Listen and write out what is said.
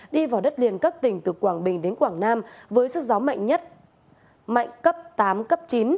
đi vào đất liền các tỉnh từ quảng bình đến quảng nam với sức gió mạnh nhất mạnh cấp tám cấp chín